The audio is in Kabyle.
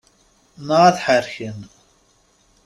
Ma ad ḥerken.